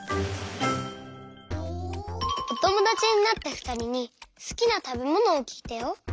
おともだちになったふたりにすきなたべものをきいたよ。